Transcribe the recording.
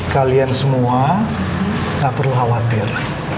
kalian semua tak perlu khawatir